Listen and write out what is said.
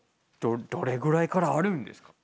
どれぐらいからあるんですか？